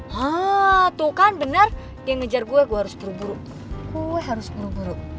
hah tuh kan benar dia ngejar gue gue harus buru buru gue harus buru buru